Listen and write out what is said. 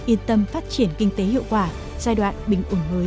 yên tâm phát triển kinh tế hiệu quả giai đoạn bình ủng hới của xã hội